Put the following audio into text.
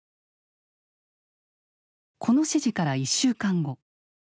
この指示から１週間後。